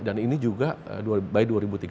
dan ini juga by dua ribu tiga puluh